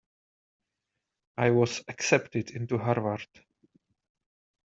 I was accepted into Harvard!